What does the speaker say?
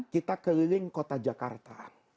kita keliling kota jakarta